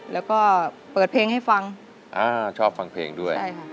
แล้วก็เปิดเพลงให้ฟังอ่าชอบฟังเพลงด้วยใช่ค่ะ